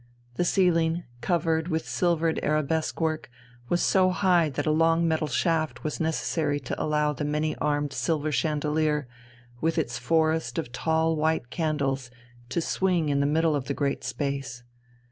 The ceiling, covered with silvered arabesque work, was so high that a long metal shaft was necessary to allow the many armed silver chandelier with its forest of tall white candles to swing in the middle of the great space.